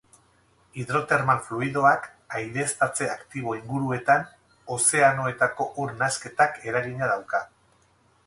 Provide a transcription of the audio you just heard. Hidrotermal fluidoak aireztatze aktibo inguruetan ozeanoetako ur nahasketak eragina dauka.